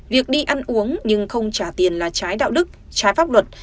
việc đi ăn uống nhưng không trả tiền là trái đạo đức trái pháp luật